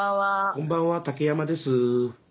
こんばんは竹山です。